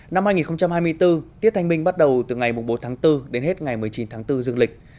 năm hai nghìn hai mươi bốn tết thanh minh bắt đầu từ ngày bốn tháng bốn đến hết ngày một mươi chín tháng bốn dương lịch